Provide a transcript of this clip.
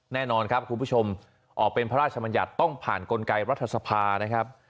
แน่นอนครับคุณผู้ชมออกเป็นพระราชมัญญัติต้องผ่านกลไกรัฐสภานะครับ